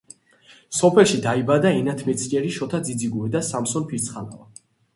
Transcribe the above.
სოფელში დაიბადა ენათმეცნიერი შოთა ძიძიგური და სამსონ ფირცხალავა.